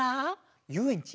ゆうえんち？